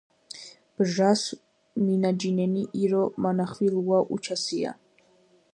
ბჟას მინაჯინენი ირო მინახვილუა უჩასია